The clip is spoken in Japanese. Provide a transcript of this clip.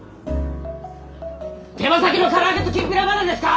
手羽先の唐揚げときんぴらまだですか！